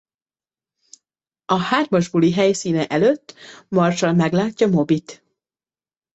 A hármas buli helyszíne előtt Marshall meglátja Mobyt.